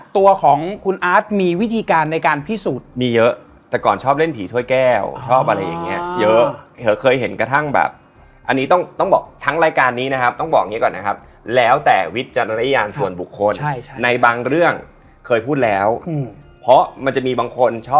โทษนะคะยิ่งพูดกันบ้าหน่อยได้มั้ยคะแอ๊กขอนอนแบบนึง